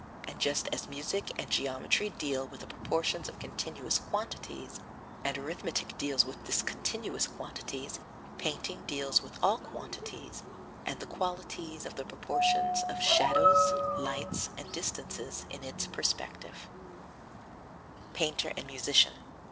And just as music and geometry deal with the proportions of continuous quantities, and arithmetic deals with discontinuous quantities, painting deals with all quantities and the qualities of the proportions of shadows, lights and distances, in its perspective. [Sidenote: Painter and Musician] 26.